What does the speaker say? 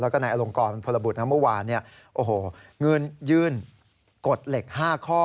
แล้วก็นายอลงกรพลบุตรเมื่อวานยื่นกฎเหล็ก๕ข้อ